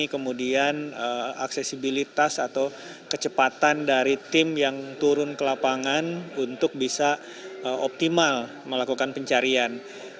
kemudian aksesibilitas atau kecepatan dari tim yang turun ke lapangan untuk bisa optimal melakukan pencarian